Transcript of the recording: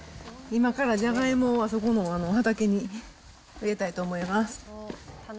今からじゃがいもをあそこの畑に植えたいと思います。